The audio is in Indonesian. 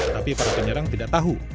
tapi para penyerang tidak tahu